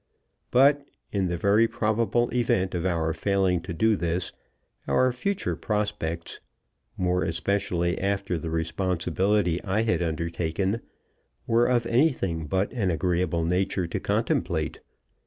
But, in the very probable event of our failing to do this, our future prospects more especially after the responsibility I had undertaken were of anything but an agreeable nature to contemplate.